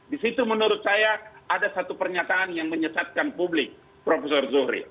di situ menurut saya ada satu pernyataan yang menyesatkan publik prof zuhri